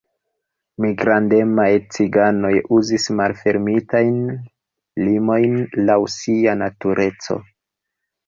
Migrademaj ciganoj uzis malfermitajn limojn laŭ sia natureco.